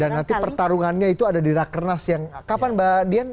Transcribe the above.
dan nanti pertarungannya itu ada di rakernas yang kapan mbak dian